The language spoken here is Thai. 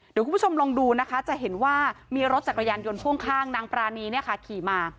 เดี๋ยวคุณผู้ชมลองดูนะคะจะเห็นว่ามีรถจักรยานยนต์พ่วงข้างนางปรานีเนี่ยค่ะขี่มา